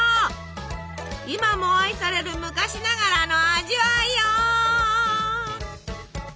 今も愛される昔ながらの味わいよ！